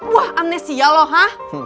wah aneh sial loh ha